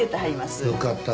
よかった。